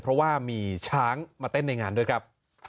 เพราะว่ามีช้างมาเต้นในงานด้วยครับ